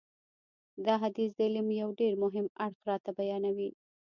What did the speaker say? دا حدیث د علم یو ډېر مهم اړخ راته بیانوي.